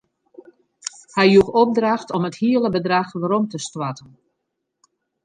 Hy joech opdracht om it hiele bedrach werom te stoarten.